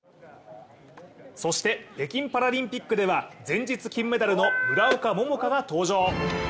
そして北京パラリンピックでは、前日、金メダルの村岡桃佳が登場。